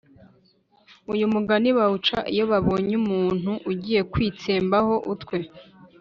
Uyu mugani bawuca iyo babonye umuntu ugiye kwitsembaho utwe